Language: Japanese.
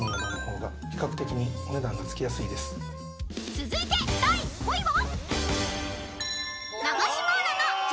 ［続いて第５位は］